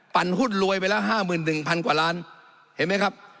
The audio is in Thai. หุ้นรวยไปละ๕๑๐๐กว่าล้านเห็นไหมครับ